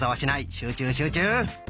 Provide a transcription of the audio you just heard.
集中集中。